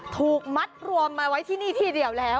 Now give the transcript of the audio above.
ถูกมัดรวมมาไว้ที่นี่ที่เดียวแล้ว